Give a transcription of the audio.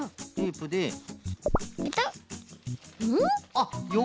あっよ